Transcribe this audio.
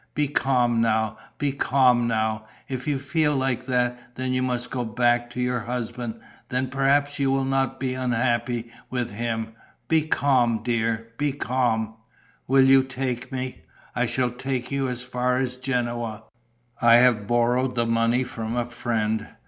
Be calm now, be calm now. If you feel like that, that you must go back to your husband, then perhaps you will not be unhappy with him. Be calm, dear, be calm." "Will you take me?" "I shall take you as far as Genoa. I have borrowed the money from a friend.